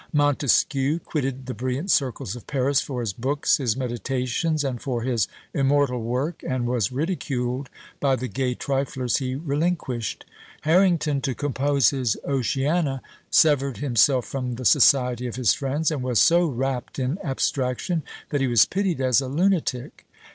Montesquieu quitted the brilliant circles of Paris for his books, his meditations, and for his immortal work, and was ridiculed by the gay triflers he relinquished. Harrington, to compose his Oceana, severed himself from the society of his friends, and was so wrapped in abstraction, that he was pitied as a lunatic.